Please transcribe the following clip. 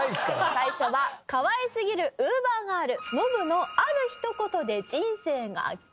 最初は「可愛すぎるウーバーガールノブのある一言で人生が激変！！」。